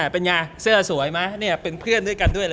เป็นไงเสื้อสวยไหมเป็นเพื่อนด้วยกันด้วยเหรอ